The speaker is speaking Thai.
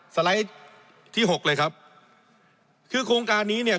สไลด์ที่หกเลยครับคือโครงการนี้เนี่ย